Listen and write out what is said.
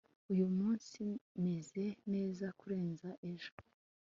uyu munsi meze neza kurenza ejo